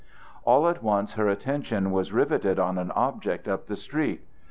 All at once her attention was riveted on an object up the street.